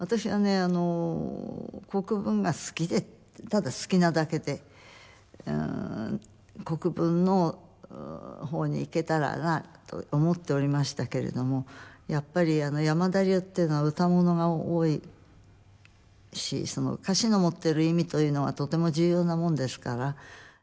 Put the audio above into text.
あの国文が好きでただ好きなだけで国文の方に行けたらなと思っておりましたけれどもやっぱり山田流っていうのは唄物が多いしその歌詞の持っている意味というのはとても重要なもんですから。